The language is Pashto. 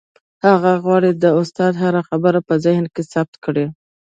هغه غواړي د استاد هره خبره په ذهن کې ثبت کړي.